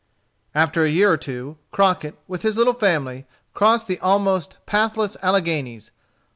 After a year or two, Crockett, with his little family, crossed the almost pathless Alleghanies.